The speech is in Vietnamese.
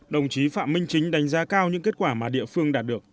đồng chí phạm minh chính đánh giá cao những kết quả mà địa phương đạt được